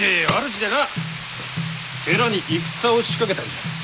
主でな寺に戦を仕掛けたんじゃ。